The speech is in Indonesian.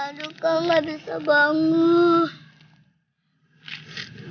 aduh kak ga bisa bangun